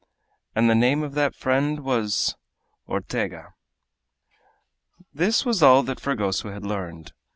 "And the name of that friend was?" "Ortega." This was all that Fragoso had learned.